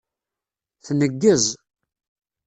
Tneggez.